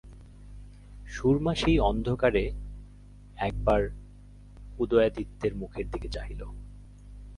সুরমা সেই অন্ধকারে একবার উদয়াদিত্যের মুখের দিকে চাহিল।